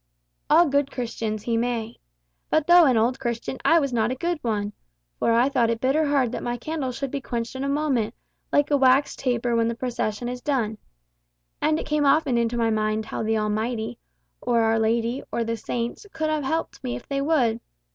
"All good Christians, he may. But though an old Christian, I was not a good one. For I thought it bitter hard that my candle should be quenched in a moment, like a wax taper when the procession is done. And it came often into my mind how the Almighty, or Our Lady, or the Saints, could have helped me if they would.